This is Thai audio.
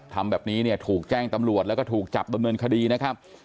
ทำแบบนี้เนี่ยถูกแจ้งตำรวจแล้วก็ถูกจับดำเนินคดีนะครับ